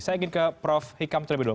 saya ingin ke prof hikam terlebih dulu